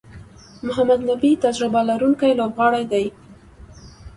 محمد نبي تجربه لرونکی لوبغاړی دئ.